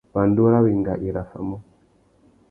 Pandú râ wenga i raffamú.